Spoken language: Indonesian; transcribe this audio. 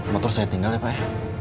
motor saya tinggal ya pak ya